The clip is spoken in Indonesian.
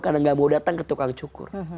karena gak mau datang ke tukang cukur